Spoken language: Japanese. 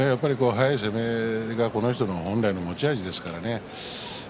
速い攻めがこの人本来の攻めですからね。